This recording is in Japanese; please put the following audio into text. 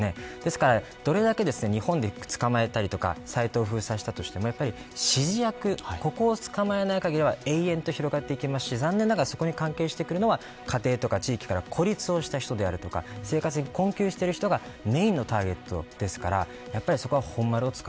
ですからどれだけ日本で捕まえたりとかサイトを封鎖したりしても指示役ここを捕まえない限りは延々と広がっていきますし残念ながらそこに関係していくのは家庭や地域から孤立している人とか生活に困窮している人がメーンのターゲットです。